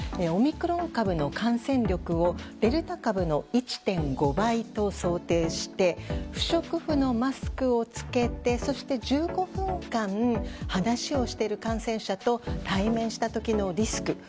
オミクロン株の感染力をデルタ株の１．５倍と想定して不織布のマスクを着けて１５分間、話をしている感染者と対面した時のリスク。